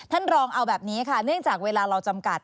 ท่านรองเอาแบบนี้ค่ะเนื่องจากเวลาเราจำกัด